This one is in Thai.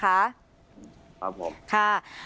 ครับผมค่ะ